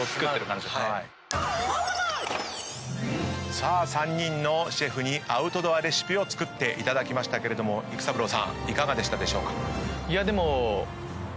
さあ３人のシェフにアウトドアレシピを作っていただきましたけれども育三郎さんいかがでしたでしょうか？